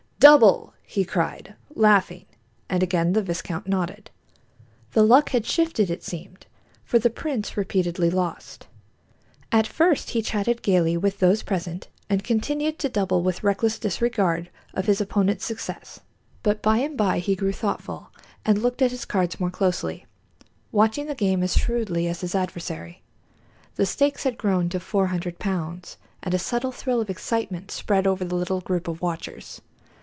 "Double!" he cried, laughing, and again the viscount nodded. The luck had shifted, it seemed, for the prince repeatedly lost. At first he chatted gaily with those present and continued to double with reckless disregard of his opponent's success; but by and by he grew thoughtful and looked at his cards more closely, watching the game as shrewdly as his adversary. The stakes had grown to four hundred pounds, and a subtle thrill of excitement spread over the little group of watchers.